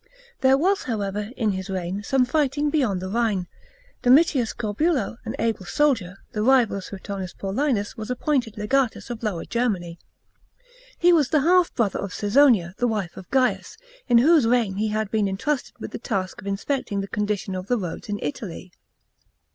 There was, however, in his reign some fighting beyond the Rhine. Domitins Corbulo, an able soldier, the rival of Suetonius Paulinus, was appointed legatus of Lower Germany. He was the half brother of CaBsonia, the wife of Gains, in whose reign he had been entrusted with the task of inspecting the condition of the roads in. Italy.